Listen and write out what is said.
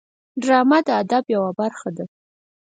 ډرامه د ادب یوه برخه ده